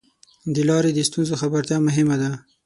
د لارې د ستونزو خبرتیا مهمه ده.